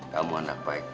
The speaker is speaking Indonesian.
kamu anak baik